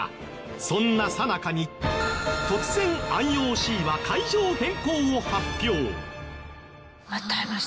そんなさなかに突然ＩＯＣは会場変更を発表！